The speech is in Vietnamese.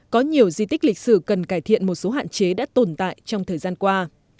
có nhiều di tích lịch sử cần cải thiện một số hạn chế đã tồn tại trong thời gian qua